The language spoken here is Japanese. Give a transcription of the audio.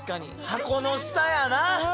箱の下やな。